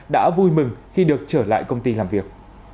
đã vui mừng khi được trở lại công ty làm việc